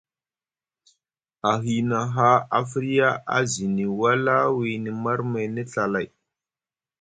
A hiina haa a firya a zini wala wiini marmayni Ɵa lay.